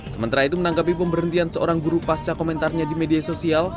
sementara itu menanggapi pemberhentian seorang guru pasca komentarnya di media sosial